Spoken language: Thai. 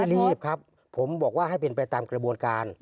รีบครับผมบอกว่าให้เป็นไปตามกระบวนการ